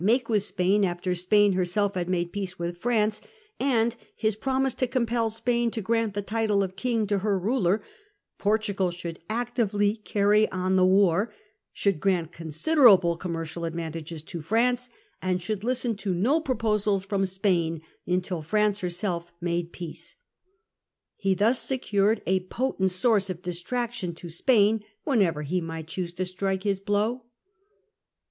make with Spain after Spain herself had made peace with France, and his promise to compel Spain to grant the title of King to her ruler, Portugal should actively carry on the war, should grant considerable com mercial advantages to France, and should listen to no proposals from Spain until France herself made peace. He thus secured a potent source of distraction to Spain whenever he might choose to strike his blow.